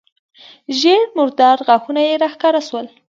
ژېړ مردار غاښونه يې راښکاره سول.